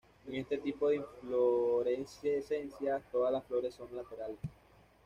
En este tipo de inflorescencias todas las flores son laterales.